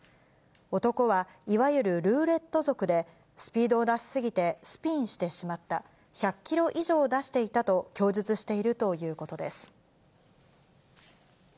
男はいわゆるルーレット族で、スピードを出し過ぎてスピンしてしまった、１００キロ以上出していたと供述しているということです。